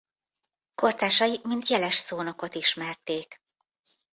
Kortársai mint jeles szónokot ismerték.